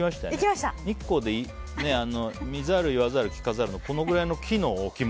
日光で、見ざる、言わざる聞かざるのこのぐらいの木の置物。